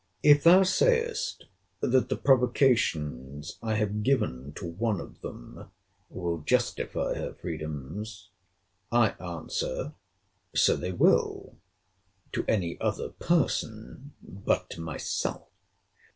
If thou sayest that the provocations I have given to one of them will justify her freedoms; I answer, so they will, to any other person but myself.